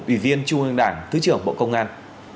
ủy viên trung ương đảng thứ trưởng bộ công an